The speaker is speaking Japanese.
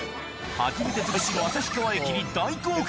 初めて尽くしの旭川駅に大興奮。